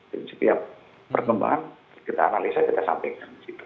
jadi setiap perkembangan kita analisa kita sampaikan disitu